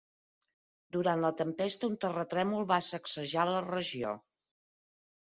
Durant la tempesta, un terratrèmol va sacsejar la regió.